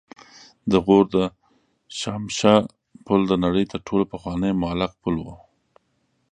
د غور د شاهمشه پل د نړۍ تر ټولو پخوانی معلق پل و